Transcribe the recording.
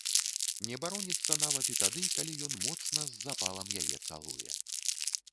Не бароніцца нават і тады, калі ён моцна, з запалам яе цалуе.